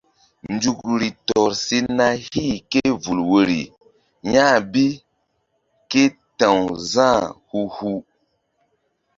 Nzukri tɔr si na hih ké vul woiri ya̧h bi ké ta̧w Za̧h hu hu.